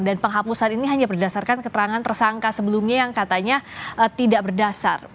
dan penghapusan ini hanya berdasarkan keterangan tersangka sebelumnya yang katanya tidak berdasar